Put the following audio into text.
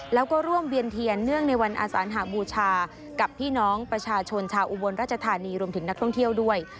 แล้วก็ร่วมเวียนเทียนเนื่องในวันอาสานหาบูชากับพี่น้องประชาชนชาวอุบลราชธานีรวมถึงนักท่องเที่ยวด้วย